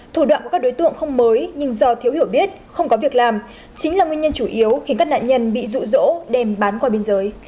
thủ đoạn của các đối tượng không mới nhưng do thiếu hiểu biết không có việc làm chính là nguyên nhân chủ yếu khiến các nạn nhân bị rụ rỗ đem bán qua biên giới